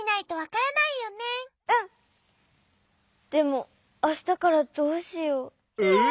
でもあしたからどうしよう。え？